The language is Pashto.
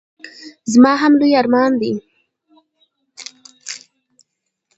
زما هم لوی ارمان دی.